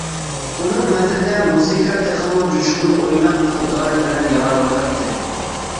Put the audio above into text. ئۇنىڭ نەزىرىدە، مۇزىكا تېخىمۇ جۇشقۇن، ئويناق ئۇدار بىلەن ياڭراۋاتاتتى.